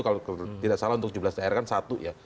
kalau tidak salah untuk tujuh belas daerah kan satu ya